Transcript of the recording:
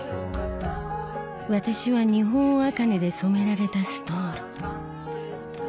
私は日本茜で染められたストール。